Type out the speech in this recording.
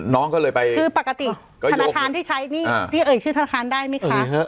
น้องก็เลยไปคือปกติธนาคารที่ใช้นี่พี่เอ่ยชื่อธนาคารได้ไหมคะ